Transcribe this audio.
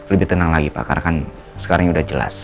lebih tenang lagi pak karena kan sekarang sudah jelas